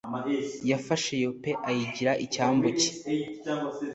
yafashe yope ayigira icyambu cye